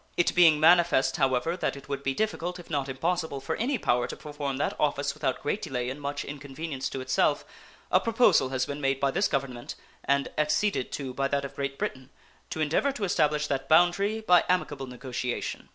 It being manifest, however, that it would be difficult, if not impossible, for any power to perform that office without great delay and much inconvenience to itself, a proposal has been made by this Government, and acceded to by that of Great Britain, to endeavor to establish that boundary by amicable negotiation.